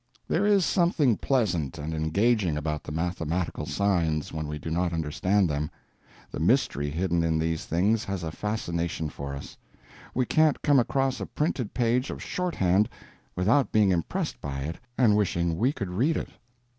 There is something pleasant and engaging about the mathematical signs when we do not understand them. The mystery hidden in these things has a fascination for us: we can't come across a printed page of shorthand without being impressed by it and wishing we could read it.